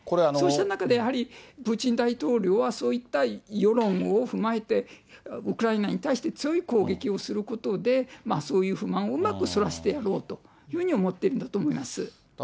そうした中で、やはりプーチン大統領は、そういった世論を踏まえて、ウクライナに対して強い攻撃をすることで、そういう不満をうまくそらしてやろうといういうふうに思っているんだと思います。